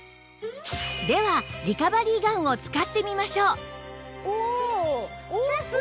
ではリカバリーガンを使ってみましょう